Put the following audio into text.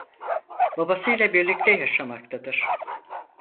Babasıyla birlikte yaşamaktadır.